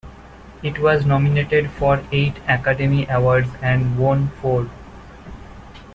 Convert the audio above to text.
It was nominated for eight Academy Awards and won four.